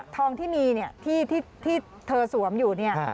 ทองที่มีเนี่ยที่เธอสวมอยู่เนี่ย